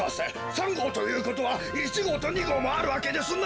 ３ごうということは１ごうと２ごうもあるわけですな！？